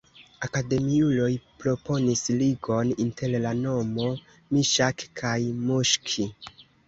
Akademiuloj proponis ligon inter la nomo Miŝak kaj Muŝki.